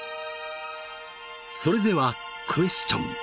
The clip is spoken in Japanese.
それではクエスチョン